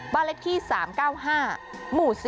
บ้านเล็กที่๓๙๕หมู่๔